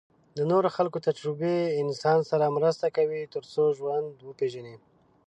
د نورو خلکو تجربې انسان سره مرسته کوي تر څو ژوند وپېژني.